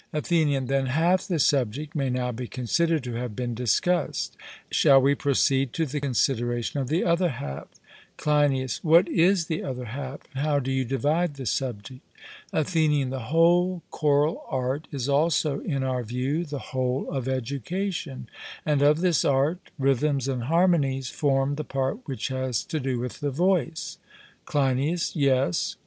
ATHENIAN: Then half the subject may now be considered to have been discussed; shall we proceed to the consideration of the other half? CLEINIAS: What is the other half, and how do you divide the subject? ATHENIAN: The whole choral art is also in our view the whole of education; and of this art, rhythms and harmonies form the part which has to do with the voice. CLEINIAS: Yes.